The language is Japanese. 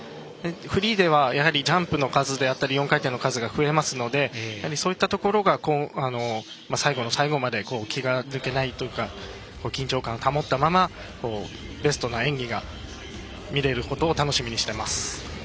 フリーではジャンプの数や４回転の数が増えますのでそういったところが最後の最後まで気が抜けないというか緊張感を保ったままベストな演技が見れることを楽しみにしています。